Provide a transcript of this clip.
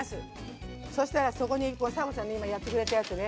そしたらそこに佐和子ちゃんの今やってくれたやつね。